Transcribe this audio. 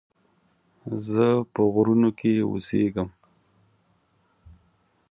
زه په غرونو کې اوسيږم